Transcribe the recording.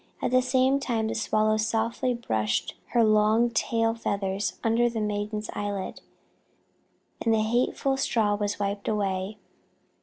At the same time the Swallow softly brushed her long tail feathers under the maiden's eyelid, and the hateful straw was wiped away.